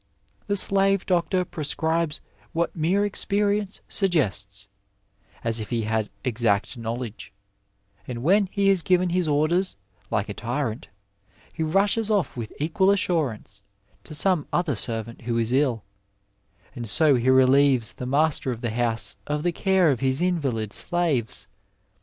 The slave doctor xnrescribes what mere experience suggests, as if he had exact knowledge ; and when he has given his orders, like a tyrant, he rushes off with equal assurance to some other servant who is ill ; and so he relieves the master of the house of the care of his invalid slaves.